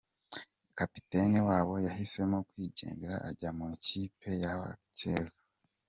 Kapiteni wabo yahisemo kwigendera ajya mu ikipe y’abakeba.